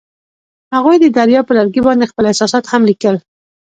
هغوی د دریا پر لرګي باندې خپل احساسات هم لیکل.